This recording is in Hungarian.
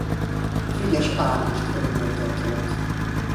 Frigyes Ágost örökölte a trónt.